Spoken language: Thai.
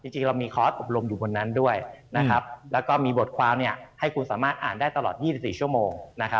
จริงเรามีคอร์สอบรมอยู่บนนั้นด้วยแล้วก็มีบทความให้คุณสามารถอ่านได้ตลอด๒๔ชั่วโมง